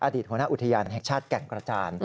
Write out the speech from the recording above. หัวหน้าอุทยานแห่งชาติแก่งกระจาน